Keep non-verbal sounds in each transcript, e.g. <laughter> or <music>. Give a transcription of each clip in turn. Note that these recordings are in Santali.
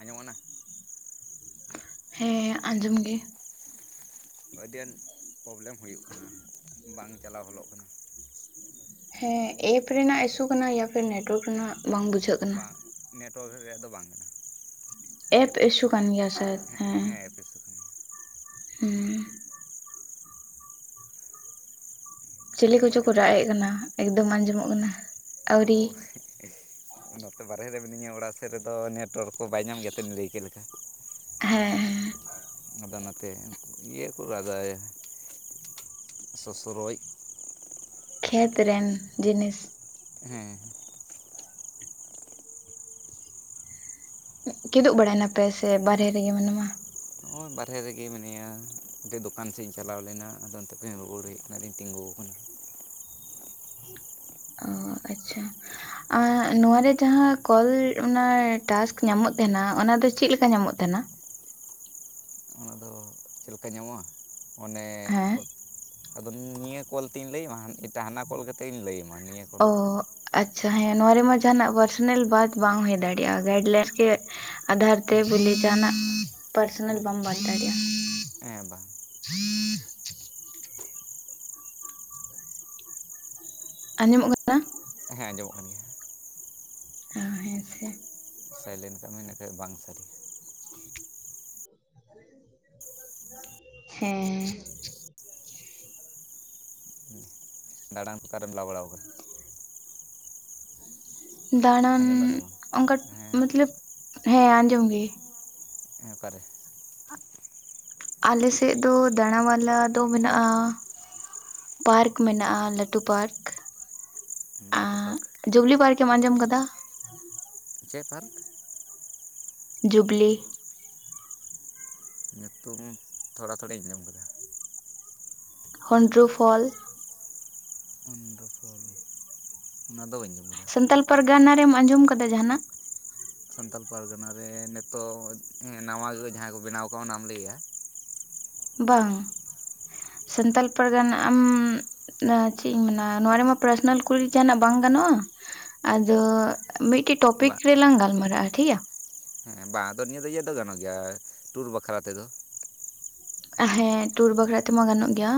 ᱟᱸᱡᱚᱢᱚᱜ ᱠᱟᱱᱟ ᱦᱮᱸ ᱟᱸᱡᱚᱢ ᱜᱮ ᱟᱹᱰᱤ ᱟᱸᱴ ᱯᱨᱚᱵᱞᱮᱢ ᱦᱩᱭᱩᱜ ᱠᱟᱱᱟ ᱵᱟᱝ ᱪᱟᱞᱟᱣ ᱜᱚᱞᱚᱜ ᱠᱟᱱᱟ ᱦᱮᱸ ᱮᱯ ᱨᱮᱱᱟᱜ ᱤᱥᱩ ᱠᱟᱱᱟ ᱭᱟ ᱯᱷᱤᱨ ᱱᱮᱴᱣᱟᱨᱠ ᱨᱮᱱᱟᱜ ᱵᱟᱝ ᱵᱩᱡᱷᱟᱹᱜ ᱠᱟᱱᱟ ᱵᱟᱝ ᱱᱮᱴᱣᱟᱨᱠ ᱨᱮᱭᱟᱜ ᱫᱚ ᱵᱟᱝ ᱠᱟᱱᱟ ᱮᱯ ᱨᱮᱭᱟᱜ ᱤᱥᱩ ᱠᱟᱱᱟ ᱠᱟᱱ ᱜᱮᱭᱟ ᱥᱮ ᱦᱮᱸ ᱮᱯ ᱤᱥᱩ ᱠᱟᱱᱟ ᱦᱮᱸ ᱪᱤᱞᱤ ᱡᱚᱢ ᱠᱚᱪᱚ ᱵᱟᱲᱟ ᱠᱚ ᱠᱮᱫᱟᱢ ᱨᱟᱜ ᱮᱫ ᱠᱟᱱᱟ ᱮᱠᱫᱚᱢ ᱟᱸᱡᱚᱢᱚᱜ ᱠᱟᱱᱟ ᱟᱹᱣᱨᱤ ᱚ ᱱᱚᱛᱮ ᱵᱟᱨᱦᱮ ᱨᱮ ᱢᱤᱱᱟᱹᱧᱟ ᱚᱲᱟᱜ ᱥᱮᱫ ᱨᱮᱫᱚ ᱱᱮᱴᱣᱟᱨᱠ ᱠᱚ ᱵᱟᱭ ᱧᱟᱢ ᱜᱮᱭᱟ ᱛᱮᱫ ᱞᱟᱹᱭᱠᱮᱫ ᱞᱮᱠᱟ ᱦᱮᱸ ᱦᱮᱸ ᱚᱱᱟᱛᱮ ᱤᱭᱟᱹ ᱠᱚ ᱨᱟᱜᱟ ᱥᱚᱥᱨᱚᱡ ᱠᱷᱮᱛ ᱨᱮᱱ ᱡᱤᱱᱤᱥ ᱦᱮᱸ ᱠᱤᱫᱩᱵ ᱵᱟᱲᱟᱭ ᱱᱟᱯᱮ ᱥᱮ ᱵᱟᱦᱨᱮ ᱨᱮᱜᱮ ᱢᱮᱱᱟᱢᱟ ᱱᱚᱜᱼᱚᱭ ᱵᱟᱨᱦᱮ ᱨᱮᱜᱮ ᱢᱮᱱᱟᱧᱟ ᱠᱩᱫᱩᱵ ᱫᱚᱠᱟᱱ ᱥᱮᱫ ᱤᱧ ᱪᱟᱞᱟᱣ ᱞᱮᱱᱟ ᱟᱫᱚ ᱚᱱᱛᱮ ᱠᱷᱚᱱᱤᱧ ᱨᱩᱭᱟᱹᱲ ᱦᱮᱡ ᱵᱟᱫᱮᱧ ᱛᱤᱸᱜᱩ <inaudible> ᱟᱨ ᱟᱪᱪᱷᱟ ᱱᱚᱣᱟᱨᱮ ᱡᱟᱦᱟᱸ ᱠᱚᱞ ᱚᱱᱟ ᱴᱟᱥᱠ ᱧᱟᱢᱚᱜ ᱛᱟᱦᱮᱸᱱᱟ ᱚᱱᱟ ᱚᱱᱟᱫᱚ ᱪᱮᱫ ᱞᱮᱠᱟ ᱧᱟᱢᱚᱜ ᱛᱟᱦᱮᱸᱱᱟ <inaudible> ᱪᱮᱫ ᱞᱮᱠᱟ ᱧᱟᱢᱚᱜᱼᱟ ᱚᱱᱮ ᱦᱮᱸ ᱟᱫᱚ ᱱᱤᱭᱟᱹ ᱠᱚᱞ ᱛᱮᱧ ᱞᱟᱹᱭᱢᱟ? ᱦᱟᱱᱟ ᱠᱚᱞ ᱠᱟᱛᱮᱜ ᱤᱧ ᱞᱟᱹᱭ ᱟᱢᱟ ᱱᱤᱭᱟᱹ ᱠᱚᱞ ᱡᱟᱦᱟᱸ ᱱᱚᱣᱟ ᱨᱮᱢᱟ ᱡᱟᱦᱟᱱᱟᱜ ᱯᱟᱨᱥᱚᱱᱟᱞ ᱵᱟᱛ ᱵᱟᱝ ᱦᱩᱭ ᱫᱟᱲᱮᱭᱟᱜᱼᱟ ᱜᱟᱭᱤᱰᱞᱟᱭᱤᱱᱥ ᱜᱮ ᱟᱫᱷᱟᱨ ᱛᱮ ᱵᱚᱞᱤ ᱡᱟᱦᱟᱱᱟᱜ ᱯᱟᱨᱥᱚᱱᱟᱞ ᱵᱟᱢ ᱵᱟᱛ ᱫᱟᱲᱮᱭᱟᱜᱼᱟ ᱦᱮᱸ ᱵᱟᱝ <inaudible> ᱟᱸᱡᱚᱢᱚᱜ ᱠᱟᱱᱟ ᱦᱮᱸ ᱟᱸᱡᱚᱢᱚᱜ ᱠᱟᱱ ᱜᱮᱭᱟ ᱦ ᱦᱮᱸ ᱥᱮ ᱥᱟᱭᱞᱮᱱᱴ ᱠᱟᱜ ᱢᱮ ᱤᱱᱟᱹᱠᱷᱟᱱ ᱵᱟᱝ ᱥᱟᱰᱤᱭᱟ ᱦᱮᱸ ᱫᱟᱬᱟᱱ ᱠᱚ ᱚᱠᱟᱨᱮᱢ ᱞᱟ ᱵᱟᱲᱟᱣ ᱟᱠᱟ ᱫᱟᱬᱟᱱ ᱟᱸᱡᱚᱢ ᱫᱟᱢ ᱥᱮ ᱵᱟᱝ ᱚᱱᱠᱟ ᱦᱮᱸ ᱢᱚᱛᱞᱚᱵ ᱦᱮᱸ ᱟᱸᱡᱚᱢ ᱜᱮ ᱚᱠᱟᱨᱮ ᱟᱞᱮ ᱥᱮᱫ ᱫᱚ ᱫᱟᱬᱟ ᱢᱟᱞᱟ ᱫᱚ ᱢᱮᱱᱟᱜᱼᱟ ᱯᱟᱨᱠ ᱢᱮᱱᱟᱜᱼᱟ ᱞᱟᱹᱴᱩ ᱯᱟᱨᱠ ᱞᱟᱹᱴᱩ ᱯᱟᱨᱠ ᱡᱩᱵᱽᱞᱤ ᱯᱟᱨᱠᱮᱢ ᱟᱸᱡᱚᱢ ᱠᱟᱫᱟ <unintelligible> ᱪᱮᱫ ᱯᱟᱨᱠ ᱡᱩᱵᱽᱞᱤ ᱧᱩᱛᱩᱢ ᱛᱷᱚᱲᱟ ᱛᱷᱚᱲᱤᱧ ᱟᱸᱡᱚᱢ ᱠᱟᱫᱟ ᱦᱩᱱᱰᱩᱨᱩ ᱯᱷᱚᱞ ᱦᱩᱱᱰᱩᱨᱩ ᱯᱷᱚᱞ ᱚᱱᱟᱫᱚ ᱵᱟᱹᱧ ᱟᱡᱚᱢ ᱠᱟᱫᱟ ᱮᱢ ᱟᱸᱡᱚᱢ ᱟᱠᱟᱫᱟ ᱡᱟᱦᱟᱱᱟᱜ ᱥᱟᱱᱛᱟᱲ ᱯᱟᱨᱜᱟᱱᱟ ᱨᱮ ᱱᱤᱛᱚᱜ ᱱᱟᱣᱟ ᱜᱮ ᱡᱟᱦᱟᱸ ᱠᱚ ᱵᱮᱱᱟᱣ ᱠᱟᱜ ᱚᱱᱟᱢ ᱞᱟᱹᱭ ᱮᱼᱟ ᱵᱟᱝ ᱥᱟᱱᱛᱟᱲ ᱯᱟᱨᱜᱟᱱᱟ ᱟᱢ ᱪᱮᱫ ᱤᱧ ᱢᱮᱱᱟ ᱱᱚᱣᱟ ᱨᱮᱢᱟ ᱯᱟᱨᱥᱚᱱᱟᱞ ᱠᱩᱲᱤ ᱡᱟᱦᱟᱱᱟᱜ ᱵᱟᱝ ᱜᱟᱱᱚᱜᱼᱟ ᱟᱫᱚ ᱢᱤᱫ ᱴᱮᱡ ᱴᱚᱯᱤᱠ ᱵᱟᱝ ᱨᱮ ᱞᱟᱝ ᱜᱟᱞ ᱢᱟᱨᱟ ᱟ ᱴᱷᱤᱠ ᱜᱮᱭᱟ ᱦᱮᱸ ᱵᱟᱝ ᱟᱫᱚ ᱱᱤᱭᱟᱹ ᱫᱚ ᱤᱭᱟᱹ ᱫᱚ ᱜᱟᱱᱚᱜ ᱜᱮᱭᱟ ᱴᱩᱨ ᱵᱟᱠᱷᱨᱟ ᱛᱮᱫᱚ ᱦᱮᱸ ᱴᱩᱨ ᱵᱟᱠᱷᱨᱟ ᱛᱮᱢᱟ ᱜᱟᱱᱚᱜ ᱜᱮᱭᱟ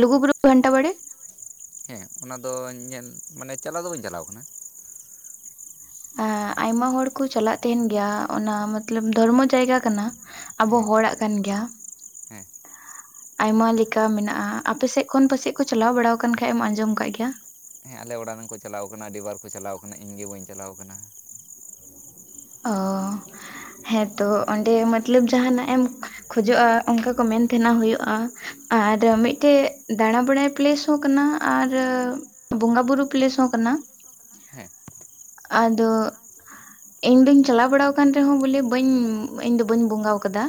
ᱞᱩᱜᱩ ᱯᱩᱨᱩ ᱜᱷᱟᱱᱴᱟ ᱵᱟᱲᱮ ᱦᱮᱸ ᱚᱱᱟᱫᱚ ᱧᱮᱞ ᱢᱟᱱᱮ ᱪᱟᱞᱟᱣ ᱫᱚ ᱵᱟᱹᱧ ᱪᱟᱞᱟᱣ ᱠᱟᱱᱟ ᱟᱟ ᱟᱭᱢᱟ ᱦᱚᱲ ᱠᱚ ᱪᱟᱞᱟᱼᱜ ᱛᱟᱦᱮᱱ ᱜᱮᱭᱟ ᱚᱱᱟ ᱢᱚᱛᱞᱚᱵ ᱫᱷᱚᱨᱢᱚ ᱡᱟᱭᱜᱟ ᱠᱟᱱᱟ ᱟᱵᱚ ᱦᱮᱸ ᱦᱚᱲᱟᱜ ᱠᱟᱱ ᱜᱮᱭᱟ ᱦᱮᱸ ᱟᱭᱢᱟ ᱞᱮᱠᱟ ᱢᱮᱱᱟᱜᱼᱟ ᱟᱯᱮᱮᱥᱮᱫ ᱠᱷᱚᱱ ᱯᱟᱥᱮᱡ ᱠᱚ ᱪᱟᱞᱟᱣ ᱵᱟᱲᱟ ᱟᱠᱟᱱ ᱠᱷᱟᱱᱮᱡ ᱮᱢ ᱟᱸᱡᱚᱢ ᱟᱠᱟᱟᱜ ᱜᱮᱭᱟ ᱦᱮᱸ ᱟᱞᱮ ᱚᱲᱟᱜ ᱨᱮᱱ ᱠᱚ ᱪᱟᱞᱟᱣ ᱟᱠᱟᱱᱟ ᱟᱹᱰᱤ ᱵᱟᱨ ᱠᱚ ᱪᱟᱞᱟᱣ ᱟᱠᱟᱱᱟ ᱤᱧ ᱜᱮ ᱵᱟᱹᱧ ᱪᱟᱞᱟᱣ ᱟᱠᱟᱱᱟ ᱚ ᱦᱮᱸᱛᱚ ᱚᱸᱰᱮ ᱢᱚᱛᱞᱚᱵ ᱡᱟᱦᱱᱟᱜ ᱮᱢ ᱠᱷᱚᱡᱚᱜᱼᱟ ᱚᱱᱠᱟ ᱠᱚ ᱢᱮ ᱱ ᱛᱟᱦᱮᱸᱱᱟ ᱦᱩᱭᱩᱜᱼᱟ ᱟᱨ ᱢᱤᱫᱴᱮᱡ ᱫᱟᱬᱟ ᱵᱟᱲᱟᱭ ᱯᱞᱮᱥ ᱦᱚᱸ ᱠᱟᱱᱟ ᱟᱨ ᱵᱚᱸᱜᱟ ᱵᱩᱨᱩ ᱯᱞᱮᱥ ᱦᱚᱸ ᱠᱟᱱᱟ ᱦᱮᱸ ᱟᱫᱚ ᱤᱧ ᱫᱧ ᱪᱟᱞᱟᱣ ᱵᱟᱲᱟ ᱟᱠᱟᱱ ᱨᱮᱦᱚᱸ ᱵᱚᱞᱮ ᱵᱟᱹᱧ ᱤᱧ ᱫᱚ ᱵᱟᱹᱧ ᱵᱚᱸᱜᱟ ᱟᱠᱟᱫᱟ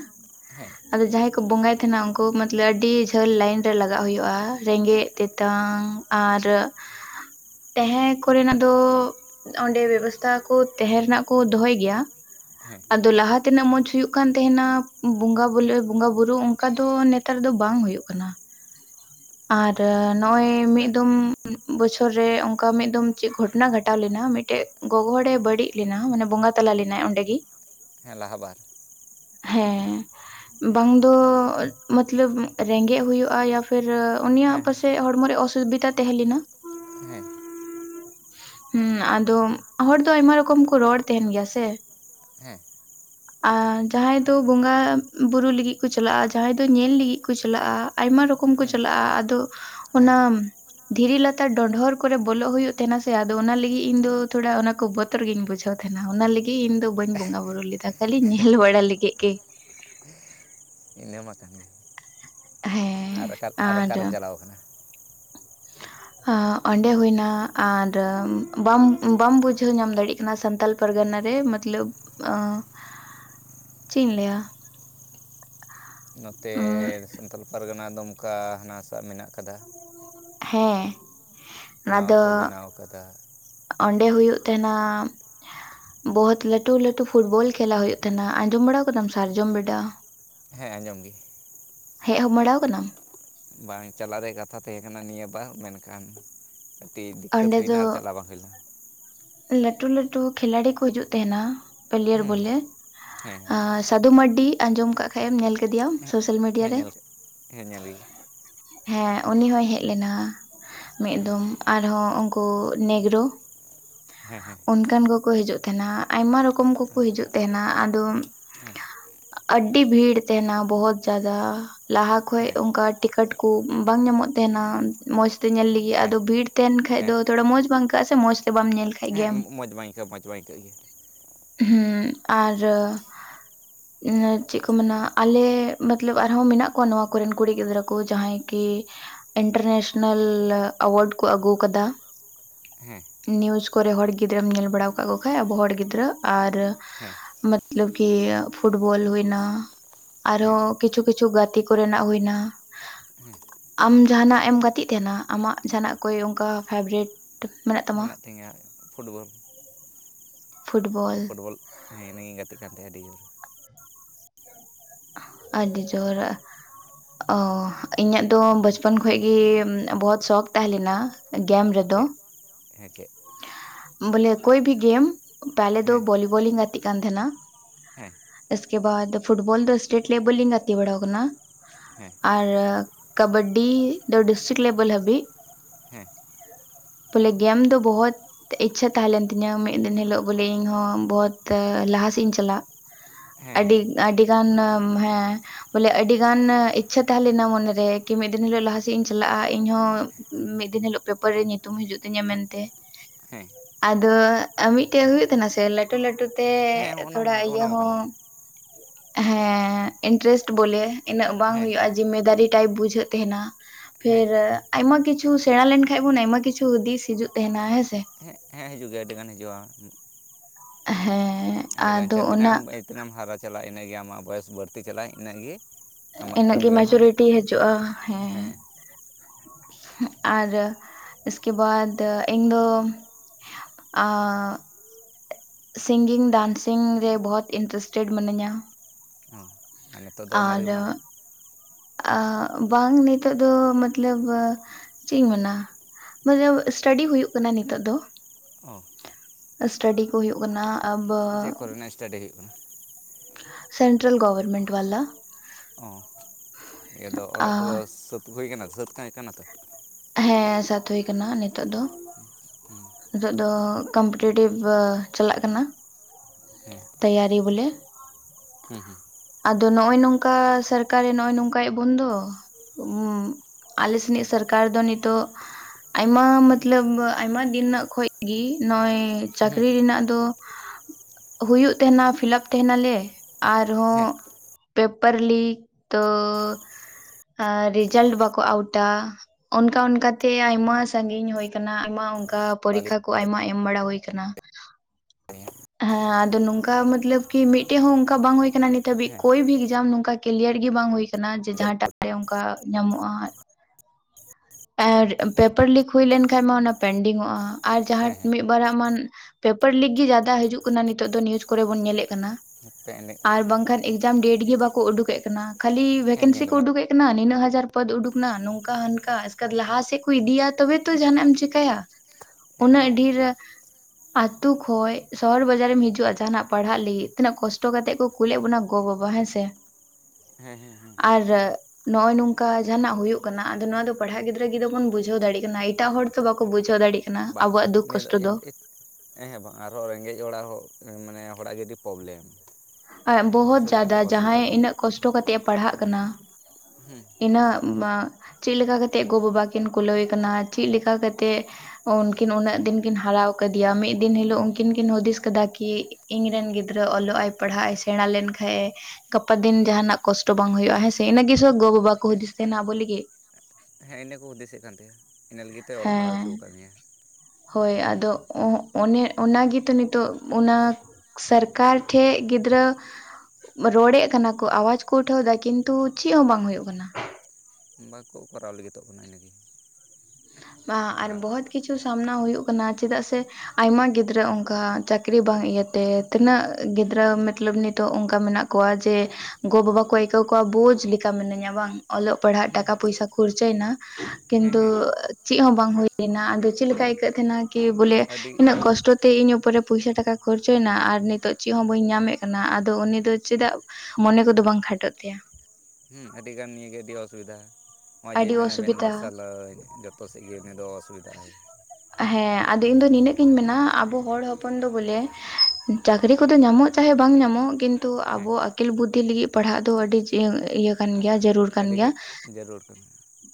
ᱟᱫᱚ ᱡᱟᱦᱟᱸᱭ ᱠᱚ ᱵᱚᱸᱜᱟᱭ ᱛᱟᱦᱮᱱᱟ ᱩᱱᱠᱩ ᱢᱚᱛᱞᱮ ᱟᱹᱰᱤ ᱡᱷᱟᱹᱞ ᱞᱟᱭᱤᱱ ᱨᱮ ᱞᱟᱜᱟᱜ ᱦᱩᱭᱩᱜᱼᱟ ᱨᱮᱸᱜᱮᱡ ᱛᱮᱛᱟᱝ ᱵᱟᱝ ᱟᱨ ᱛᱟᱦᱮᱸ ᱠᱚᱨᱮᱱᱟᱜ ᱫᱚ ᱚᱸᱰᱮ ᱵᱮᱵᱚᱥᱛᱛᱟ ᱠᱚ ᱛᱟᱦᱮᱸ ᱨᱮᱱᱟᱜ ᱠᱚ ᱫᱚᱦᱚᱭ ᱜᱮᱭᱟ ᱦᱮᱸ ᱟᱫᱚ ᱞᱟᱦᱟ ᱛᱮᱱᱟᱹᱜ ᱢᱚᱸᱡᱽ ᱦᱩᱭᱩᱜ ᱠᱟᱱ ᱛᱟᱦᱮᱱᱟ ᱵᱚᱸᱜᱟ ᱵᱩᱞᱟ. ᱵᱚᱸᱜᱟ ᱵᱩᱨᱩ ᱚᱱᱠᱟ ᱫᱚ ᱱᱮᱛᱟᱨ ᱫᱚ ᱵᱟᱝ ᱦᱩᱭᱩᱜ ᱠᱟᱱᱟ ᱟᱨ ᱱᱚᱜ ᱚᱚᱭ ᱢᱤᱫ ᱪᱮᱫᱟᱜ ᱫᱚᱢ ᱵᱚᱪᱷᱚᱨ ᱨᱮ ᱚᱱᱠᱟ ᱢᱤᱫᱫᱢ ᱪᱮᱫ ᱜᱷᱚᱴᱚᱱᱟ ᱜᱷᱚᱴᱟᱣ ᱞᱮᱱᱟ ᱢᱤᱫᱴᱮᱡ ᱜᱚᱜᱚ ᱦᱚᱲᱮ ᱵᱟᱹᱲᱤᱡ ᱞᱮᱱᱟ ᱢᱟᱱᱮ ᱵ ᱵᱚᱸᱜᱟ ᱛᱟᱞᱟ ᱞᱮᱱᱟᱭ ᱚᱸᱰᱮ ᱜᱮᱤ ᱦᱮᱸ ᱞᱟᱦᱟ ᱵᱟᱨ ᱦᱮᱸ ᱵᱟᱝ ᱫᱚ ᱢᱚᱛᱞᱚᱵ ᱨᱮᱸᱜᱮᱡ ᱦᱩᱭᱩᱜᱼᱟ ᱭᱟ ᱯᱷᱤᱨ ᱟᱨ ᱩᱱᱤᱭᱟᱜ ᱦᱮᱸ ᱦᱮᱸ ᱦᱮᱸ ᱦᱮᱸ ᱦᱩᱸ ᱯᱟᱥᱮᱡ ᱦᱚᱲᱢᱚ ᱨᱮ ᱚᱥᱩᱵᱤᱫᱷᱟ ᱛᱟᱦᱮᱸ ᱞᱮᱱᱟ ᱞᱮᱠᱟ ᱛᱚᱠᱷᱚᱱ ᱦᱩᱸᱢ ᱟᱫᱚ ᱦᱚᱲ ᱫᱚ ᱟᱭᱢᱟ ᱨᱚᱠᱚᱢ ᱠᱚ ᱨᱚᱲ ᱛᱮᱸᱦᱮᱱ ᱜᱮᱭᱟ ᱥᱮ ᱠᱚ ᱪᱟᱞᱟᱜᱼᱟ ᱟᱨ ᱡᱟᱦᱟᱸᱭ ᱫᱚ ᱵᱚᱸᱜᱟ ᱵᱩᱨᱩ ᱞᱟᱹᱜᱤᱫ ᱠᱚ ᱪᱟᱞᱟᱜᱼᱟ ᱡᱟᱦᱟᱸᱭ ᱫᱚ ᱧᱮᱞ ᱞᱟᱹᱜᱤᱫ ᱠᱚ ᱪᱟᱞᱟᱜᱼᱟ ᱟᱭᱢᱟ ᱟᱭᱢᱟ ᱨᱚᱠᱚᱢ ᱠᱚ ᱦᱮᱸ ᱪᱟᱞᱟᱜᱼᱟ ᱟᱫᱚ ᱚᱱᱟ ᱫᱷᱤᱨᱤ ᱞᱟᱛᱟᱨ ᱰᱚᱸᱰᱷᱚᱨ ᱠᱚᱨᱮ ᱵᱚᱞᱚᱜ ᱫᱷᱤᱨᱤ ᱞᱟᱛᱟᱨ ᱰᱚᱰᱷᱚᱨ ᱠᱚ ᱵᱚᱞᱚ ᱦᱩᱭᱩᱜ ᱛᱟᱦᱮᱱᱟ ᱥᱮ ᱟᱫᱚ ᱚᱱᱟ ᱞᱟᱹᱜᱤᱫ ᱤᱧᱫᱚ ᱛᱷᱚᱲᱟ ᱚᱱᱟᱠᱚ ᱵᱚᱛᱚᱨ ᱜᱤᱧ ᱵᱩᱡᱷᱟᱹᱣᱫᱟ ᱛᱟᱦᱮᱱᱟ ᱚᱱᱟ ᱞᱟᱹᱜᱤᱫ ᱤᱧ ᱫᱚ ᱵᱟᱹᱧ ᱵᱚᱸᱜᱟ ᱵᱩᱨᱩ ᱞᱮᱫᱟ ᱠᱷᱟᱹᱞᱤ ᱧᱮᱞ ᱵᱟᱲᱟ ᱞᱟᱹᱜᱤᱫ ᱜᱮ ᱤᱱᱟᱹ ᱢᱟ ᱠᱟᱱ ᱜᱮᱭᱟᱹ ᱦᱮᱸ ᱟᱨ ᱟᱨ ᱚᱠᱟᱨᱮᱢ ᱪᱟᱞᱟᱣ ᱟᱠᱟᱱᱟ ᱚᱸᱰᱮ ᱦᱩᱭᱱᱟ ᱟᱨ ᱵᱟ ᱵᱟᱢ ᱵᱩᱡᱷᱟᱹᱣ ᱧᱟᱢ ᱫᱟᱲᱮᱭᱟᱜ ᱠᱟᱱᱟ ᱥᱟᱱᱛᱟᱞ ᱯᱜᱟᱱᱟ ᱨᱮ ᱢᱚᱛᱞᱚᱵ ᱪᱤᱱ ᱞᱭᱟ ᱱᱚᱛᱮ ᱥᱟᱱᱛᱟᱲ ᱯᱟᱨᱜᱟᱱᱟ ᱫᱚ ᱠᱟ ᱦᱟᱱᱟ ᱥᱟ ᱢᱮᱱᱟᱜ ᱟᱠᱟᱫᱟᱣᱟ ᱦᱮᱸ ᱚᱱᱟ ᱱᱟᱣᱟ ᱫᱚ ᱠᱚ ᱵᱮᱱᱟᱣ ᱟᱠᱟᱫᱟ ᱚᱸᱰᱮ ᱦᱩᱭᱩᱜ ᱛᱟᱦᱮᱱᱟ ᱵᱚᱦᱩᱛ ᱞᱟᱹᱴᱩ ᱞᱟᱹᱴᱩ ᱯᱷᱩᱴᱵᱚᱞ ᱠᱷᱮᱞᱟ ᱦᱩᱭᱩᱜ ᱛᱟ ᱟᱸᱡᱚᱢ ᱵᱟᱲᱟ ᱠᱟᱫᱟᱢ ᱥᱟᱨᱡᱚᱢ ᱵᱮᱰᱟ ᱦᱮᱸ ᱟᱸᱡᱚᱢ ᱜᱮ ᱦᱮᱡ ᱦᱚ ᱵᱟᱲᱟᱟᱣ ᱟᱠᱟᱱᱟ ᱵᱟᱝ ᱪᱟᱞᱟᱜ ᱨᱮᱭᱟᱜ ᱠᱟᱛᱷᱟ ᱛᱟᱦᱮᱸ ᱠᱟᱱᱟ ᱱᱤᱭᱟᱹ ᱵᱟᱝᱟᱨ ᱢᱮᱱᱠᱷᱟᱱ ᱠᱟᱹᱴᱤᱡ ᱫᱤᱠᱠᱛ ᱚᱸᱰᱮ ᱦᱩᱭᱱᱟ ᱫᱚ ᱟᱨ ᱪᱟᱞᱟᱣ ᱵᱟᱝ ᱦᱩᱭᱱᱟ ᱞᱟᱹᱴᱩ ᱞᱟᱹᱴᱩ ᱠᱷᱮᱤᱞᱟᱲᱤ ᱠᱚ ᱦᱤᱡᱩᱜ ᱛᱟᱦᱮᱱᱟ ᱯᱞᱮᱭᱟᱨ ᱦᱩᱸ ᱦᱩᱸ ᱵᱚᱞᱮ ᱦᱮᱸ ᱥᱟᱫᱩ ᱢᱟᱨᱰᱤ ᱟᱸᱡᱚᱢ ᱠᱟᱜ ᱠᱷᱟᱱ ᱮᱢ ᱧᱮᱞ ᱠᱮᱫᱮᱟᱢ ᱦᱮᱸᱧᱮᱞ ᱦᱮᱸᱧᱮᱞ ᱜᱮ ᱦᱮᱸ ᱩᱱᱤ ᱦᱚᱭ ᱦᱮᱡ ᱞᱮᱱᱟ ᱢᱤᱫ ᱦᱮᱸ ᱫᱚᱢ ᱟᱨᱦᱚᱸ ᱩᱱᱠᱩ ᱱᱜᱽᱨᱳ ᱦᱮᱸ ᱦᱮᱸ ᱚᱱᱠᱟᱱ ᱜ ᱠᱚ ᱦᱤᱡᱩᱜ ᱛᱟᱦᱮᱱᱟ ᱟᱭᱢᱟ ᱨᱚᱠᱚᱢ ᱠᱚᱠᱚ ᱦᱤᱡᱩᱜ ᱛᱟᱦᱮᱱᱟ ᱟᱫᱚ ᱟᱹᱰᱤ ᱵᱷᱤᱲ ᱛᱟᱦᱮᱱᱟ ᱵᱚᱦᱩᱛ ᱡᱟᱫᱟ ᱞᱟᱦᱟ ᱠᱷᱚᱡ ᱦᱮᱸ ᱚᱱᱠᱟ ᱴᱤᱠᱤᱴ ᱠᱩ ᱵᱟᱝ ᱧᱟᱢᱚᱜ ᱚᱜ ᱛᱟᱦᱮᱱᱟ ᱢᱚᱸᱡᱽ ᱛᱮ ᱧᱮᱞ ᱞᱟᱹᱜᱤᱫ ᱦᱮᱸ ᱟᱫᱚ ᱵᱷᱤᱲ ᱛᱟᱦᱮᱱ ᱠᱷᱟᱡ ᱫᱚ ᱦᱮᱸ ᱛᱷᱚᱲᱟ ᱢᱚᱸᱡᱽ ᱵᱟᱝ ᱟᱹᱭᱠᱟᱹᱜᱼᱟ ᱥᱮ ᱢᱚ ᱛᱮ ᱵᱟᱢ ᱧᱮᱞ ᱠᱷᱟᱱ ᱦᱮᱸ ᱜᱮᱭᱟ ᱢᱚᱡᱽ ᱵᱟᱝ ᱟᱹᱭᱠᱟᱹᱜᱼᱟ ᱢᱚᱡᱽ ᱵᱟᱝ ᱟᱹᱭᱠᱟᱹᱜ ᱜᱮ ᱦᱮᱸ ᱟᱨ ᱪᱮᱫ ᱠᱚ ᱢᱮᱱᱟ ᱟᱞᱮ ᱢᱚᱛᱞᱚᱵ ᱟᱨᱦᱚᱸ ᱢᱮᱱᱟᱜ ᱠᱚᱣᱟ ᱱᱚᱣᱟ ᱠᱚᱨᱮᱱ ᱠᱩᱲᱤ ᱜᱤᱫᱽᱨᱟᱹ ᱠᱚ ᱡᱟᱦᱟᱸᱭ ᱤᱱᱴᱟᱨᱱᱮᱥᱱᱮᱞ ᱮᱣᱟᱨᱰ ᱠᱚ ᱟᱹᱜᱩ ᱟᱠᱟᱫᱟ ᱦᱮᱸ ᱱᱤᱭᱩᱡ ᱠᱚᱨᱮ ᱦᱚᱲ ᱜᱤᱫᱽᱨᱟᱹᱢ ᱧᱮᱞ ᱵᱟᱲᱟ ᱟᱠᱟᱫ ᱠᱚ ᱠᱷᱟᱱᱡ ᱟᱵᱚ ᱦᱚᱲ ᱜᱤᱫᱽᱨᱟᱹ ᱟᱨ ᱦᱮᱸ ᱢᱚᱛᱞᱚᱵ ᱠᱤ ᱯᱷᱩᱴᱵᱚᱞ ᱦᱩᱭᱱᱟ ᱦᱮᱸ ᱟᱨᱦᱚᱸ ᱠᱤᱪᱷᱩ ᱠᱤᱪᱷᱩ ᱜᱟᱛᱮ ᱠᱚᱨᱮᱱᱟᱜ ᱦᱩᱭᱱᱟ ᱦᱮᱸ ᱟᱢ ᱡᱟᱦᱟᱸᱦᱟᱱᱟᱜ ᱮᱢ ᱜᱟᱛᱮᱜ ᱛᱟᱦᱮᱱᱟ ᱟᱢᱟᱜ ᱡᱟᱦᱟᱸᱟᱱᱟᱜ ᱠᱚ ᱚᱱᱠᱟ ᱯᱷᱮᱵᱟᱨᱮᱴ ᱢᱟᱱᱮ ᱢᱮᱱᱟᱜ ᱛᱤᱧᱟᱹ ᱯᱷᱩᱴᱵᱚᱞ ᱯᱷᱩᱴᱵᱚᱞ ᱦᱮᱸ ᱤᱱᱟᱹᱜᱤᱧ ᱜᱟᱛᱮᱜ ᱠᱟᱱ ᱛᱟᱦᱮᱸᱫ ᱟᱹᱰᱤ ᱡᱳᱨ ᱟᱹᱰᱤ ᱡᱳᱨ ᱚ ᱤᱧᱟᱹᱜ ᱫᱚ ᱵᱟᱪᱯᱚᱱ ᱠᱷᱚᱱᱜᱤ ᱵᱚᱦᱩᱛ ᱥᱚᱠᱷ ᱛᱟᱦᱮᱸᱞᱮᱱᱟ ᱜᱮᱢ ᱨᱮᱫᱚ ᱪᱮᱫ ᱦᱮᱸ ᱪᱮᱫ ᱵᱚᱞᱮ ᱠᱳᱭᱵᱤ ᱜᱮᱢ ᱯᱞᱮ ᱫᱚ ᱦᱮᱸ ᱵᱷᱚᱞᱤᱵᱚᱞᱤᱧ ᱜᱟᱛᱮᱜ ᱠᱟᱱ ᱛᱟᱦᱮᱱᱟ ᱦᱮᱸ ᱠ ᱵᱟ ᱯᱷᱩᱴᱵᱚᱞ ᱫᱚ ᱥᱴᱮᱴ ᱞᱮᱵᱮᱞ ᱞ ᱜᱟᱛᱤ ᱵᱟᱲᱟ ᱠᱟᱱᱟ ᱦᱮᱸ ᱦᱮᱸ ᱟᱨ ᱠᱟᱵᱟᱰᱤ ᱫᱚ ᱰᱤᱥᱴᱤᱠ ᱞᱮᱵᱮᱞ ᱦᱟᱹᱵᱤᱡ ᱦᱮᱸ ᱵᱚᱞᱮ ᱜᱮᱢ ᱫᱚ ᱵᱚᱦᱩᱛ ᱤᱪᱪᱷᱟ ᱛᱟᱦᱮᱸ ᱞᱮᱱ ᱛᱤᱧᱟᱹ ᱢᱤᱫ ᱫᱤᱱ ᱦᱤᱞᱳᱜ ᱵᱚᱞᱮ ᱤᱧᱦᱚᱸ ᱵᱚᱦᱩ ᱞᱟᱦᱟ ᱥᱮᱫ ᱤᱧ ᱪᱟᱞᱟᱜ ᱦᱮᱸ ᱟᱹᱰᱤ ᱟᱹᱰᱤ ᱜᱟᱱ ᱦᱮᱸ ᱵᱚᱞᱮ ᱟᱹᱰᱤ ᱜᱟᱱ ᱤᱪᱪᱷᱟᱹ ᱛᱟᱦᱮᱸ ᱞᱮᱱᱟ ᱢᱚᱱᱮᱨᱮ ᱢᱤᱫ ᱫᱤᱱ ᱦᱤᱞᱳ ᱞᱟᱦᱟᱟᱥᱮᱫ ᱤᱧ ᱪᱟᱞᱟᱜᱼᱟ ᱤᱧᱦᱚᱸ ᱢᱤᱫ ᱫᱤᱱ ᱦᱤᱞᱳᱜ ᱯᱮᱯᱟᱨ ᱨᱮ ᱧᱩᱛᱩᱢ ᱦᱤᱡᱩᱜ ᱛᱤᱧᱟᱹ ᱢᱮᱱᱛᱮ ᱦᱮᱸ ᱦᱮᱸ ᱟᱫᱚ ᱢᱤᱫᱴᱮᱡ ᱦᱩᱭᱩᱜ ᱠᱟᱱᱟ ᱥᱮ ᱞᱟᱹᱴᱩ ᱞᱟᱹᱴᱩ ᱛᱮ ᱦᱮᱸ ᱦᱚᱸᱜᱼᱚ ᱱᱟ ᱛᱷᱚᱲᱟ ᱢᱟ ᱤᱭᱟᱹ ᱚᱱᱟ ᱢᱟ ᱠᱟᱱ ᱦᱚᱸ ᱜᱮᱛᱚ ᱦᱮᱸ ᱤᱱᱴᱟᱨᱮᱥᱴ ᱵᱚᱞᱮ ᱤᱱᱟᱹᱜ ᱵᱟᱝ ᱦᱮᱸ ᱦᱩᱭᱩᱜᱼᱟ ᱡᱤᱢᱢ ᱫᱟᱨᱤ ᱴᱟᱭᱤᱯ ᱵᱩᱡᱷᱟᱹᱜ ᱛᱟᱦᱮᱱᱟ ᱦᱮᱸ ᱯᱷᱤᱨ ᱟᱭᱢᱟ ᱠᱤᱪᱷᱩ ᱥᱮᱬᱟ ᱞᱮᱱᱠᱷᱟᱱᱡ ᱵᱚᱱ ᱟᱭᱢᱟ ᱠᱤᱪᱷᱩ ᱫᱤᱥ ᱦᱤᱡᱩᱜ ᱛᱟᱦᱮᱱᱟ ᱦᱮᱸ ᱥᱮ ᱦᱮᱸ ᱦᱮᱸ ᱦᱤᱡᱩᱜ ᱜᱮ ᱟᱹᱰᱤᱜᱟᱱ ᱦᱤᱡᱩᱜᱼᱟ ᱦᱮᱸ ᱟᱹᱰᱤ ᱜᱟᱱᱪ ᱟᱫᱚ ᱚᱱᱟ ᱛᱤᱱᱟᱹᱜ ᱮᱢ ᱛᱤᱱᱟᱹᱜ ᱮᱢ ᱦᱟᱨᱟ ᱪᱟᱞᱟᱜᱼᱟ ᱤᱱᱟᱹᱜ ᱜᱮ ᱟᱢᱟᱜ ᱵᱚᱭᱮᱥ ᱵᱟᱹᱲᱛᱤ ᱪᱟᱞᱟᱜᱼᱟ ᱤᱱᱟᱹᱜ ᱜᱮ ᱤᱱᱟᱹᱜ ᱜᱮ ᱢᱮᱡᱚᱨᱤᱴᱤ ᱦᱤᱡᱩᱜᱼᱟ ᱦᱮᱸ ᱟᱨ ᱤᱥᱠᱮ ᱵᱟᱫ ᱤᱧ ᱫᱚ ᱟᱜ ᱥᱤᱝᱜᱤᱝ ᱰᱟᱝᱥᱤᱝ ᱨᱮ ᱵᱚᱦᱚᱛ ᱤᱱᱴᱨᱮᱥᱴᱮᱴ ᱢᱤᱱᱟᱹᱧᱟ ᱟᱨ ᱱᱤᱛᱚᱜ ᱫᱚ ᱚᱱᱟ ᱨᱮ ᱢᱮᱱᱟᱢᱟ ᱟᱜ ᱵᱟᱝ ᱱᱤᱛᱚᱜ ᱫᱚ ᱢᱟᱛᱞᱟᱹᱵ ᱪᱮᱧ ᱢᱮᱱᱟ ᱵᱩᱡᱟᱹᱣ ᱥᱴᱟᱰᱤ ᱦᱩᱭᱩᱜ ᱠᱟᱱᱟ ᱱᱤᱛᱚᱜ ᱫᱚ ᱚ ᱥᱴᱟᱰᱤ ᱠᱚ ᱦᱩᱭᱩᱜ ᱠᱟᱱᱟ ᱟᱵ ᱪᱮᱜ ᱠᱚ ᱨᱮᱱᱟᱜ ᱥᱴᱟᱰᱤ ᱦᱩᱭᱩᱜ ᱠᱟᱱᱟ ᱥᱮᱱᱴᱨᱟᱞ ᱜᱚᱵᱷᱚᱨᱢᱮᱱᱴ ᱵᱟᱞᱟ ᱚ ᱤᱭᱟᱹ ᱫᱚ ᱚᱞᱚᱜ ᱠᱚᱫᱚ ᱥᱟᱹᱛ ᱦᱩᱭ ᱠᱟᱱᱟ ᱥᱟᱹᱛ ᱠᱟᱹᱭ ᱠᱟᱱᱟ ᱛᱚ ᱦᱮᱸ ᱥᱟᱛ ᱦᱩᱭ ᱠᱟᱱᱟ ᱱᱤᱛᱚᱜ ᱫᱚ ᱦᱩᱸ ᱱᱤᱛᱚᱜ ᱫᱚ ᱠᱟᱢᱴᱤᱴᱤᱵᱽ ᱵᱟᱹ ᱪᱟᱞᱟᱜ ᱠᱟᱱᱟ ᱛᱮᱭᱟᱨᱤ ᱵᱚᱞᱮ ᱦᱩᱸ ᱦᱩᱸ ᱟᱫᱚ ᱱᱚᱜᱼᱚᱭ ᱱᱚᱝᱠᱟ ᱥᱚᱨᱠᱟᱨ ᱱᱚᱜᱼᱚᱭ ᱱᱚᱝᱠᱟᱭ ᱵᱚᱱᱫᱚ ᱟᱞᱮ ᱥᱮ ᱱᱤᱡ ᱥᱚᱨᱠᱟᱨ ᱫᱚ ᱱᱤᱛᱚᱜ ᱟᱭᱢᱟ ᱢᱟᱛᱞᱟᱹᱵ ᱟᱭᱢᱟ ᱫᱤᱱ ᱱᱟᱜ ᱠᱷᱚᱡ ᱜᱤ ᱱᱚᱭ ᱪᱟᱠᱨᱤ ᱨᱮᱱᱟᱜ ᱫᱚ ᱦᱩᱭᱩᱜ ᱛᱟᱦᱮᱱᱟ ᱯᱷᱤᱞᱟᱯ ᱛᱮᱦᱮᱱᱟᱞᱮ ᱟᱨ ᱦᱮᱸ ᱡᱚᱦᱚᱜ ᱯᱮᱯᱟᱨ ᱞᱤᱠ ᱛᱚ ᱟᱹ ᱨᱮᱡᱟᱞᱴ ᱵᱟᱠᱚ ᱟᱣᱩᱴᱟ ᱚᱱᱠᱟ ᱚᱱᱠᱟ ᱛᱮ ᱟᱭᱢᱟ ᱥᱟᱹᱜᱤᱧ ᱦᱳᱭ ᱠᱟᱱᱟ ᱟᱭᱢᱟ ᱚᱱᱠᱟ ᱯᱚᱨᱤᱠᱠᱷᱟ ᱠᱚ ᱟᱭᱢᱟ ᱮᱢ ᱵᱟᱲᱟ ᱦᱩᱭ ᱠᱟᱱᱟ <inaudible> ᱦᱮᱸ ᱟᱫᱚ ᱱᱚᱝᱠᱟ ᱢᱟᱛᱞᱟᱹᱵ ᱠᱤ ᱢᱤᱜᱴᱤᱡ ᱦᱚᱸ ᱚᱱᱠᱟ ᱵᱟᱝ ᱦᱩᱭ ᱠᱟᱱᱟ ᱱᱤᱛ ᱦᱟᱹᱵᱤᱡ ᱠᱳᱭᱵᱤ ᱮᱠᱡᱟᱢ ᱱᱚᱝᱠᱟ ᱠᱞᱤᱭᱟᱨ <unintelligible> ᱜᱮ ᱵᱟᱝ ᱦᱩᱭ ᱠᱟᱱᱟ ᱡᱮ ᱡᱟᱦᱟᱸ ᱴᱟᱜ ᱨᱮ ᱚᱱᱠᱟ ᱧᱟᱢᱚᱜᱼᱟ <inaudible> ᱟᱨ ᱯᱮᱯᱟᱨ ᱞᱤᱠ ᱦᱩᱭ ᱞᱮᱱ ᱠᱷᱟᱱ ᱢᱟ ᱚᱱᱟ ᱯᱮᱱᱰᱤᱝ ᱚᱜᱼᱟ ᱟᱨ ᱡᱟᱦᱟᱸ ᱦᱮᱸ ᱦᱮᱸ ᱢᱤᱫ ᱵᱟᱨᱟᱜ ᱢᱟ ᱯᱮᱯᱟᱨ ᱞᱤᱠ ᱜᱤ ᱤ ᱡᱟᱫᱟ ᱦᱤᱡᱩᱜ ᱠᱟᱱᱟ ᱱᱤᱛᱚᱜ ᱫᱚ ᱱᱤᱭᱩᱡ ᱠᱚᱨᱮ ᱵᱚᱱ ᱧᱮᱞᱮᱜ ᱠᱟᱱᱟ ᱯᱮ ᱮᱱᱮᱡ ᱟᱨ ᱵᱟᱝ ᱠᱷᱟᱱ ᱮᱠᱡᱟᱢ ᱫᱮᱴ ᱜᱮ ᱵᱟᱠᱚ ᱳᱰᱳᱠ ᱠᱮᱜ ᱠᱟᱱᱟ ᱠᱷᱟᱹᱞᱤ ᱦᱮᱸ ᱵᱷᱮᱠᱮᱱᱥᱤ ᱧᱮᱞ ᱠᱚ ᱚᱱᱟ ᱩᱰᱩᱠᱮᱜ ᱠᱟᱱᱟ ᱱᱤᱱᱟᱹᱜ ᱦᱟᱡᱟᱨ ᱯᱚᱫ ᱩᱰᱩᱠ ᱱᱟ ᱱᱚᱝᱠᱟ ᱦᱟᱱᱠᱟ ᱠᱟᱞ ᱞᱟᱦᱟ ᱥᱮᱫ ᱠᱚ ᱤᱫᱤᱭᱟ ᱛᱚᱵᱮ ᱛᱚ ᱡᱟᱦᱟᱱᱟᱜ ᱮᱢ ᱪᱤᱠᱟᱭᱟ ᱦᱮᱸ ᱚᱱᱟ ᱩᱱᱟᱹᱜ ᱢᱟ ᱠᱟᱛᱷᱟ ᱰᱷᱤᱨᱳ ᱠᱟᱱᱟ ᱟᱛᱩ ᱠᱷᱚᱭ ᱥᱚᱦᱚᱨ ᱵᱟᱡᱟᱨ ᱮᱢ ᱦᱤᱡᱩᱜᱼᱟ ᱡᱟᱦᱟ ᱱᱟᱜ ᱯᱟᱲᱦᱟᱜ ᱞᱤᱜᱤᱫ ᱛᱤᱱᱟᱹᱜ ᱠᱚᱥᱴᱚ ᱠᱟᱛᱮᱜ ᱠᱚ ᱠᱩᱞᱮᱜ ᱵᱚᱱᱟ ᱜᱚ ᱜᱚ ᱩᱣᱟ ᱦᱮᱸ ᱥᱮ ᱦᱮᱸ ᱦᱮᱸ ᱦᱮᱸ ᱟᱨ ᱨᱟᱹᱜ ᱱᱚᱜᱼᱚᱭ ᱱᱚᱝᱠᱟ ᱡᱟᱸᱦᱟ ᱱᱟᱜ ᱦᱩᱭᱩᱜ ᱠᱟᱱᱟ ᱟᱫᱚ ᱱᱚᱣᱟ ᱫᱚ ᱯᱟᱲᱦᱟᱜ ᱜᱤᱫᱽᱨᱟᱹ ᱜᱤᱨᱟᱹ ᱵᱚᱱ ᱵᱩᱡᱷᱟᱹᱣ ᱫᱟᱲᱮ ᱠᱟᱱᱟ ᱮᱴᱟᱜ ᱦᱚᱲ ᱛᱚ ᱵᱟᱠᱚ ᱵᱩᱡᱷᱟᱹᱣ ᱫᱟᱲᱮᱜ ᱠᱟᱱᱟ ᱵᱟ ᱟᱵᱚᱣᱟᱜ ᱫᱩᱠ ᱱᱤᱭᱟᱹ ᱫᱚ ᱠᱚᱥᱴᱚ ᱮᱠ ᱰᱷᱤᱠ ᱮ ᱦᱚᱸ ᱵᱟᱝ ᱟᱨᱦᱚᱸ ᱨᱮᱸᱜᱮᱡ ᱦᱚᱲᱟᱜ ᱦᱚᱸ ᱢᱟᱱᱮ ᱦᱚᱲᱟᱜ ᱜᱮ ᱟᱹᱰᱤ ᱯᱚᱵᱞᱮᱢ ᱟᱭᱟᱢ ᱵᱚᱦᱚᱛ ᱡᱟᱫᱟ ᱡᱟᱦᱟᱸᱭ ᱠᱟᱱᱟ ᱤᱱᱟᱹᱜ ᱠᱚᱥᱴᱚ ᱠᱟᱛᱮᱜ ᱮ ᱯᱟᱲᱦᱟᱜ ᱠᱟᱱᱟ ᱦᱮᱸ <inaudible> ᱤᱱᱟᱹᱜ ᱵᱟᱸᱜ ᱪᱮᱜ ᱞᱮᱠᱟ ᱠᱟᱛᱮᱜ ᱜᱚ ᱵᱟᱵᱟ ᱠᱤᱱ ᱠᱩᱞᱟᱹᱭ ᱠᱟᱱᱟ ᱪᱤᱜ ᱞᱮᱠᱟ ᱠᱟᱛᱮᱜ ᱩᱱᱠᱤᱱ ᱩᱱᱟᱹᱜ ᱫᱤᱱ ᱠᱤᱱ ᱦᱟᱨᱟᱣ ᱠᱟᱫᱤᱭᱟ ᱢᱤᱫ ᱫᱤᱱ ᱦᱤᱞᱳᱜ ᱩᱱᱠᱤᱱ ᱠᱤᱱ ᱦᱩᱫᱤᱥ ᱠᱟᱫᱟ ᱠᱤ ᱤᱧ ᱨᱮᱱ ᱜᱤᱫᱽᱨᱟᱹ ᱚᱞᱚᱜ ᱟᱭ ᱯᱟᱲᱦᱟᱜ ᱟᱭ ᱥᱮᱬᱟ ᱞᱮᱱ ᱠᱷᱟᱭ ᱮ ᱜᱟᱯᱟ ᱫᱤᱱ ᱡᱟᱸᱦᱟ ᱜᱟᱯᱟ ᱱᱟᱜ ᱫᱤᱱ ᱠᱚᱥᱴᱚ ᱵᱟᱝ ᱡᱟᱦᱟᱱᱟᱜ ᱦᱳᱭᱳᱜᱼᱟ ᱠᱚᱥᱴᱚ ᱦᱮᱸᱥᱮ ᱵᱟᱝ ᱤᱱᱟᱹ ᱦᱩᱭᱩᱜ ᱜᱤ ᱥᱚᱠ ᱦᱩᱭᱩᱜᱼᱟ ᱜᱚ ᱵᱟᱵᱟ ᱵᱟᱠᱚ ᱦᱩᱫᱤᱥ ᱛᱟᱦᱮᱱᱟ ᱟᱵᱚ ᱞᱤᱜᱤᱜ ᱦᱮᱸ ᱤᱱᱟᱹ ᱠᱚ ᱫᱤᱥᱟᱹᱜ ᱠᱟᱱ ᱛᱟᱭᱟ ᱤᱱᱟᱹ ᱞᱤᱜᱤᱛ ᱛᱮ ᱚᱞ ᱯᱟᱲᱦᱟᱣ ᱦᱮᱸ ᱦᱚᱪᱚ ᱠᱟᱜ ᱢᱮᱟᱭ ᱦᱳᱭ ᱟᱫᱚ ᱚᱦᱚᱜ ᱚᱱᱮ ᱚᱱᱟ ᱜᱤᱛᱚ ᱱᱤᱛᱚᱜ ᱚᱱᱟ ᱥᱟᱨᱠᱟᱨ ᱴᱷᱮᱡ ᱜᱤᱫᱽᱨᱟᱹ ᱨᱚᱲᱮᱜ ᱠᱟᱱᱟ ᱠᱚ ᱟᱣᱟᱡ ᱠᱚ ᱩᱴᱷᱟᱹᱣ ᱫᱟ ᱠᱤᱱᱛᱩ ᱪᱮᱜ ᱦᱚᱸ ᱵᱟᱝ ᱦᱳᱭᱚᱜ ᱠᱟᱱᱟ ᱵᱟᱠᱚ ᱠᱚᱨᱟᱣ ᱞᱤᱜᱤᱛᱚᱜ ᱠᱟᱱᱟ ᱤᱱᱟᱹ ᱜᱤ ᱵᱟᱦᱟᱜ ᱟᱨ ᱵᱚᱦᱚᱛ ᱠᱤᱪᱷᱩ ᱥᱟᱢᱱᱟ ᱦᱩᱭᱩᱜ ᱠᱟᱱᱟ ᱪᱮᱫᱟᱜ ᱥᱮ ᱟᱭᱢᱟ ᱜᱤᱫᱽᱨᱟᱹ ᱚᱝᱠᱟ ᱪᱟᱹᱠᱨᱤ ᱵᱟᱝ ᱤᱭᱟᱹᱛᱮ ᱛᱤᱱᱟᱹᱜ ᱜᱤᱫᱽᱨᱟᱹ ᱢᱚᱛᱞᱚᱵ ᱱᱤᱛᱚᱜ ᱚᱱᱠᱟ ᱢᱮᱱᱟᱜ ᱠᱚᱣᱟ ᱡᱮ ᱜᱚ ᱵᱟᱵᱟ ᱠᱚ ᱟᱹᱭᱠᱟᱹᱣ ᱠᱚᱣᱟ ᱵᱳᱡᱽ ᱞᱮᱠᱟ ᱢᱤᱱᱟᱹᱧᱟ ᱵᱟᱝ ᱚᱞᱚᱜ ᱯᱟᱲᱦᱟᱜ ᱦᱮᱸ ᱴᱟᱠᱟ ᱯᱚᱭᱥᱟ ᱠᱷᱚᱨᱪᱟᱭᱱᱟ ᱦᱮᱸ ᱠᱤᱱᱛᱩ ᱦᱮᱸ ᱪᱮᱫ ᱦᱚᱸ ᱵᱟᱝ ᱦᱩᱭ ᱞᱮᱱᱟ ᱟᱫᱚ ᱪᱮᱫᱮ ᱞᱮᱠᱟ ᱟᱹᱭᱠᱟᱹᱜ ᱛᱟᱦᱮᱸᱱᱟ ᱠᱤ ᱵᱚᱞᱮ ᱟᱹᱰᱤ ᱤᱱᱟᱹᱜ ᱠᱚᱥᱴᱚ ᱛᱮ ᱤᱧ ᱩᱯᱚᱨᱮ ᱯᱚᱭᱥᱟ ᱴᱟᱠᱟ ᱠᱷᱚᱨᱪᱚᱭᱮᱱᱟ ᱟᱨ ᱱᱤᱛᱚᱜ ᱪᱮᱫ ᱦᱚᱸ ᱵᱟᱹᱧ ᱧᱟᱢᱮᱫ ᱠᱟᱱᱟ ᱟᱫᱚ ᱩᱱᱤ ᱫᱚ ᱪᱮᱫᱟᱜ ᱢᱚᱱᱮ ᱠᱚᱫᱚ ᱵᱟᱝ ᱠᱷᱟᱴᱚᱜ ᱛᱟᱭᱟ ᱦᱩᱸ ᱟᱹᱰᱤ ᱜᱟᱱ ᱱᱤᱭᱟᱹ ᱜᱮ ᱟᱹᱰᱤ ᱚᱥᱵᱤᱫᱟ ᱱᱚᱜᱼᱚᱭ ᱡᱮ ᱟᱹᱰᱤ ᱢᱮᱱᱟ ᱢᱮᱫ ᱚᱥᱩᱵᱤᱫᱟ ᱢᱟᱨᱥᱟᱞ ᱡᱚᱛᱚ ᱥᱮᱫ ᱜᱮ ᱩᱱᱤ ᱫᱚ ᱚᱥᱩᱵᱤᱫᱟ ᱟᱭ ᱦᱮᱸ ᱟᱫᱚ ᱤᱧ ᱫᱚ ᱱᱤᱱᱟᱹᱜ ᱜᱤᱧ ᱢᱮᱱᱟ ᱟᱵᱚ ᱦᱚᱲ ᱦᱚᱯᱚᱱ ᱫᱚ ᱵᱚᱞᱮ ᱪᱟᱹᱠᱨᱤ ᱠᱚᱫᱚ ᱧᱟᱢᱚᱜ ᱪᱟᱦᱮ ᱵᱟᱝ ᱧᱟᱢᱚᱜᱼᱟ ᱠᱤᱱ ᱛᱚ ᱦᱮᱸ ᱟᱵᱚ ᱟᱹᱠᱤᱞ ᱵᱩᱫᱽᱫᱷᱤ ᱞᱟᱹᱜᱤᱫ ᱯᱟᱲᱦᱟᱜ ᱫᱚ ᱟᱹᱰᱤ ᱤᱭᱟᱹ ᱠᱟᱱ ᱜᱮᱭᱟ ᱡᱟᱹᱨᱩᱲ ᱠᱟᱱ ᱜᱮᱭᱟ ᱟᱹᱰᱤᱜᱮ ᱡᱟᱹᱨᱩᱲ ᱠᱟᱱᱟ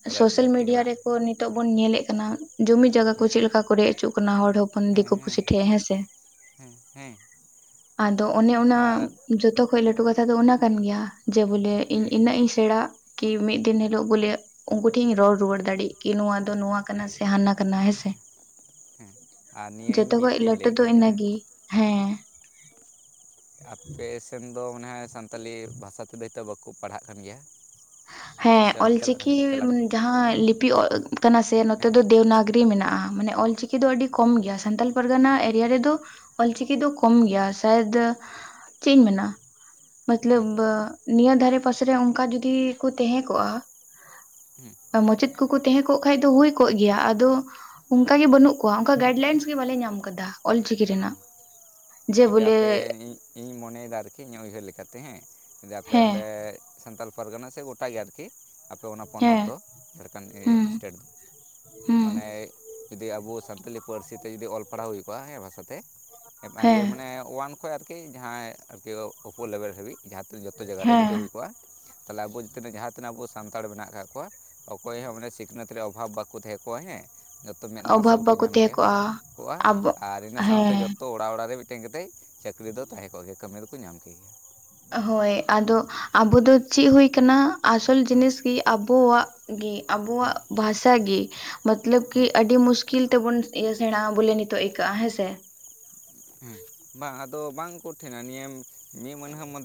ᱟᱨ ᱟᱹᱰᱤ ᱥᱳᱥᱟᱞ ᱞᱟᱹᱠᱛᱤ ᱢᱤᱰᱤᱭᱟ ᱠᱟᱱᱟ ᱟᱨ ᱨᱮᱠᱚ ᱱᱤᱛᱳᱜ ᱵᱚᱱ ᱧᱮᱞᱮᱫ ᱠᱟᱱᱟ ᱡᱩᱢᱤ ᱡᱟᱭᱜᱟ ᱠᱚ ᱦᱮᱸ ᱪᱮᱫᱞᱮᱠᱟ ᱠᱚ ᱨᱮᱜ ᱦᱚᱪᱚᱜ ᱠᱚ ᱦᱚᱯᱚᱱ ᱫᱤᱠᱩ ᱯᱩᱥᱤ ᱴᱷ ᱦᱮᱸ ᱥᱮ ᱦᱮᱸ ᱦᱮᱸ ᱟᱫᱚ ᱚᱱᱮ ᱚᱱᱟ ᱟᱨ ᱡᱚᱛᱚ ᱠᱷᱚᱡ ᱞᱟᱹᱴᱩ <inaudible> <unintelligible> ᱚᱱᱟ ᱠᱟᱱ ᱜᱮᱭᱟ ᱡᱮ ᱵᱚᱞᱮ ᱦᱮᱸ ᱤᱧ ᱤᱱᱟᱹᱜ ᱤᱧ ᱥᱮᱬᱟᱜ ᱠᱤ ᱢᱤᱫ ᱫᱤᱱ ᱦᱤᱞ ᱵᱚᱞᱮ ᱩᱱᱠᱩ ᱴᱷᱮᱱ ᱤᱧ ᱨᱚᱲ ᱨᱩᱣᱟᱹᱲ ᱫᱟᱲᱮᱜ ᱠᱤ ᱱᱚᱣᱟ ᱫᱚ ᱱᱚᱣᱟ ᱠᱟᱱᱟ ᱥᱮ ᱦᱟᱱᱟ ᱠᱟᱱᱟ ᱦᱮᱸᱥᱮ <inaudible> ᱟᱨ ᱱᱤᱭᱟᱹ ᱤᱧ ᱡᱚᱛᱚᱠᱷᱚᱡ ᱢᱤᱫᱴᱮᱱ ᱤᱧ ᱞᱟᱹᱴᱩ ᱞᱟᱹᱭᱮᱫ ᱫᱚ ᱠᱟᱱ ᱛᱟᱦᱮᱸᱜᱼᱟ ᱤᱱᱟᱹᱜᱮ ᱦᱮᱸ ᱟᱯᱮ ᱥᱮᱱ ᱫᱚ <inaudible> ᱥᱟᱱᱛᱟᱞᱤ ᱵᱷᱟᱥᱟ ᱛᱮᱫᱚ ᱦᱚᱭᱛᱚ ᱵᱟᱠᱚ ᱯᱟᱲᱦᱟᱜ ᱠᱟᱱ ᱜᱮᱭᱟ ᱦᱮᱸ ᱥᱮ ᱪᱟᱞᱟᱜ ᱠᱟᱱ ᱚᱞᱪᱤᱠᱤ ᱜᱮᱭᱟ ᱪᱟᱞᱟᱜ ᱠᱟᱱᱟ ᱡᱟᱦᱟᱸ ᱞᱤᱯᱤ <inaudible> ᱠᱟᱱᱟ ᱥᱮ ᱱᱚᱛᱮ ᱦᱮᱸ ᱫᱚ <unintelligible> ᱢᱮᱱᱟᱜᱼᱟ ᱢᱟᱱᱮ ᱚᱞᱪᱤᱠᱤ ᱫᱚ ᱟᱹᱰᱤ ᱠᱚᱢ ᱜᱮᱭᱟ ᱥᱟᱱᱛᱟᱞ ᱯᱟᱨᱜᱟᱱᱟ ᱮᱨᱤᱭᱟ ᱨᱮᱫᱚ ᱚᱞ ᱪᱤᱠᱤ ᱫᱚ ᱠᱚᱢ ᱜᱮᱭᱟ <unintelligible> ᱪᱮᱫ ᱤᱧ ᱢᱮᱱᱟ ᱦᱩᱸ ᱢᱚᱛᱞᱚᱵ ᱱᱤᱭᱟᱹ ᱫᱷᱟᱨᱮ ᱯᱟᱥᱮᱨᱮ ᱚᱱᱠᱟ ᱡᱚᱫᱤ ᱠᱚ ᱛᱟᱦᱮᱸ ᱠᱚᱜᱼᱟ ᱦᱩ ᱢᱟᱪᱮᱫ ᱠᱚᱠᱚ ᱛᱟᱦᱮᱸ ᱠᱚᱜ ᱠᱷᱟᱡ ᱫᱚ ᱦᱩᱭ ᱠᱚᱜ ᱜᱮᱭᱟ ᱟᱫᱚ ᱚᱱᱠᱟ ᱜᱮ ᱵᱟᱹᱱᱩᱜ ᱠᱚᱣᱟ ᱚᱱᱠᱟ ᱜᱟᱭᱤᱰ ᱞᱟᱭᱤᱱᱥ ᱜᱮ ᱵᱟᱞᱮ ᱧᱟᱢᱼᱟ ᱧᱟᱢ ᱟᱠᱟᱫᱟ ᱚᱞᱪᱤᱠᱤ ᱚ ᱨᱮᱱᱟᱜ ᱡᱮ ᱡᱩᱫᱤ ᱵᱚᱞᱮ ᱟᱯᱮ ᱤᱧ ᱢᱚᱱᱮᱭᱮᱫᱟ ᱟᱨᱠᱤ ᱤᱧᱟᱹᱜ ᱩᱭᱦᱟᱹᱨ ᱞᱮᱠᱟᱛᱮ ᱦᱮᱸ <inaudible> ᱦᱮᱸ ᱚᱸᱰᱮ ᱥᱟᱱᱛᱟᱞ ᱯᱟᱨᱜᱟᱱᱟ ᱥᱮ ᱜᱚᱴᱟᱜ ᱜᱮ ᱟᱨᱠᱤ ᱟᱯᱮ ᱚᱱᱟ ᱯᱚᱱᱚᱛ ᱦᱮᱸ ᱫᱚ ᱡᱷᱟᱲᱠᱷᱚᱸᱰ ᱦᱩᱸ ᱥᱴᱮᱴ ᱦᱩᱸ ᱢᱟᱱᱮ ᱡᱩᱫᱤ ᱟᱵᱚ ᱥᱟᱱᱛᱟᱞᱤ ᱯᱟᱹᱨᱥᱤ ᱛᱮ ᱡᱩᱫᱤ ᱚᱞ ᱯᱟᱲᱦᱟᱣ ᱦᱩᱭ ᱠᱚᱜᱼᱟ ᱦᱮᱸ ᱦᱮᱸ <unintelligible> ᱚᱣᱟᱱ ᱠᱷᱚᱡ ᱟᱨᱠᱤ ᱡᱟᱦᱟᱸᱭ ᱟᱨᱠᱤ ᱚᱳᱯᱳ ᱞᱮᱵᱮᱞ ᱦᱟᱹᱵᱤᱡ ᱡᱟᱦᱟᱸ ᱡᱚᱛᱚ ᱡᱟᱭᱜᱟ ᱨᱮ ᱡᱩᱫᱤ ᱦᱮᱸ ᱦᱩᱭ ᱠᱚᱜᱼᱟ ᱛᱟᱦᱚᱞᱮ ᱟᱵᱚ ᱡᱤᱱᱟ ᱡᱟᱦᱟᱸ ᱛᱤᱱᱟᱹᱜ ᱟᱵᱚ <inaudible> ᱥᱟᱱᱛᱟᱲ ᱢᱮᱱᱟᱜ ᱟᱠᱟᱫ ᱠᱚᱣᱟ ᱚᱠᱚᱭ ᱦᱚᱸ ᱢᱟᱱᱮ ᱥᱤᱠᱷᱱᱟᱹᱛ ᱨᱮ ᱚᱵᱷᱟᱵᱽ ᱵᱟᱠᱚ ᱛᱟᱦᱮᱸ ᱠᱚᱜᱟ ᱦᱮᱸ ᱡᱚᱛᱚ ᱢᱮᱫ ᱢᱟᱨᱥᱟᱞ ᱚᱵᱷᱟᱵ ᱠᱚ ᱵᱟᱠᱚ ᱧᱟᱢ ᱛᱟᱦᱮᱸ ᱠᱮᱭᱟ ᱠᱚᱜᱼᱟ ᱠᱚᱜᱼᱟ ᱟᱵᱚ ᱟᱨ ᱤᱱᱟᱹ ᱥᱟᱶᱛᱮ ᱦᱮᱸ ᱡᱚᱛᱚ ᱚᱲᱟᱜ ᱚᱲᱟᱜ ᱨᱮ ᱢᱤᱫᱴᱮᱱ ᱠᱟᱛᱮ ᱪᱟᱹᱠᱨᱤ ᱫᱚ ᱛᱟᱦᱮᱸ ᱠᱚᱜ ᱜᱮ ᱠᱟᱹᱢᱤ ᱫᱚᱠᱚ ᱧᱟᱢ ᱠᱮ ᱜᱮ ᱦᱳᱭ ᱟᱫᱚ ᱟᱵᱚ ᱫᱚ ᱪᱮᱫ ᱦᱩᱭ ᱟᱠᱟᱱᱟ ᱟᱥᱚᱞ ᱦᱮᱸ ᱡᱤᱱᱤᱥ ᱜᱮ ᱟᱵᱚᱣᱟᱜ ᱜᱮ ᱟᱵᱚᱣᱟᱜ ᱦᱮᱸ ᱵᱷᱟᱥᱟ ᱜᱮ ᱢᱚᱛᱞᱚᱵ ᱠᱤ ᱦᱮᱸ ᱟᱹᱰᱤ <unintelligible> ᱠᱤᱞ ᱛᱟᱵᱚᱱ ᱥᱮᱬᱟᱜᱼᱟ ᱵᱚᱞᱮ ᱱᱤᱛᱚᱜ ᱟᱹᱭᱠᱟᱹᱜᱼᱟ ᱦᱮᱸᱥᱮ <unintelligible> <inaudible>